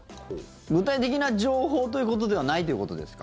具体的な情報ということではないということですか？